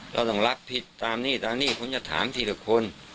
เราต้องรักผิดตามนี่ตามนี่ผมจะถามทีละคน